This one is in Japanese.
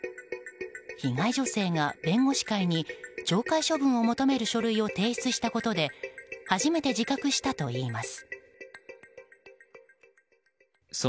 被害女性が弁護士会に懲戒処分を求める書類を提出したことで初めて自覚したといいます。